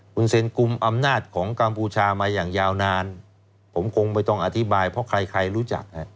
คุณเซ็นกุมอำนาจของกัมพูชามาอย่างยาวนานผมคงไม่ต้องอธิบายเพราะใครรู้จัก